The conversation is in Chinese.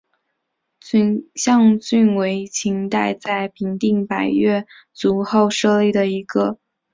象郡为秦代在平定百越族后所设的一个郡级行政单位。